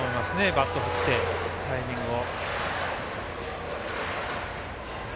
バット振って、タイミングを。